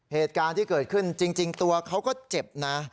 เหตุการณ์ที่เกิดขึ้นจริงตัวเขาก็เจ็บนะ